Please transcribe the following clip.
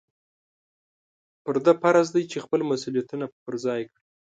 په ده فرض دی چې خپل مسؤلیتونه په ځای کړي.